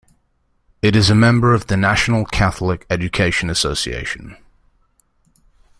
It is a member of the National Catholic Education Association.